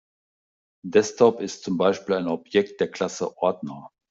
Desktop ist zum Beispiel ein Objekt der Klasse Ordner.